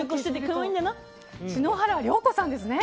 篠原涼子さんですね？